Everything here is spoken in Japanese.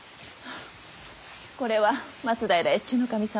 これは松平越中守様。